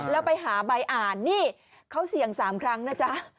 แล้วไปหาใบอ่านนี่เขาเสี่ยง๓ครั้งนะจ๊ะ